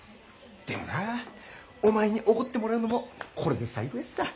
でもなお前におごってもらうのもこれで最後ヤッサ。